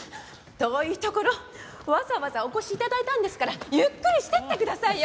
遠いところわざわざお越し頂いたんですからゆっくりしていってくださいよ。